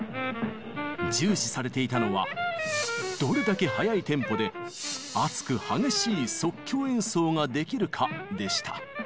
重視されていたのは「どれだけ速いテンポで熱く激しい即興演奏ができるか」でした。